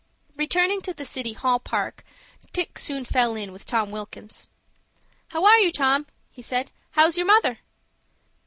Returning to the City Hall Park, Dick soon fell in with Tom Wilkins. "How are you, Tom?" he said. "How's your mother?"